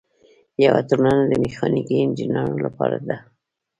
یوه ټولنه د میخانیکي انجینرانو لپاره ده.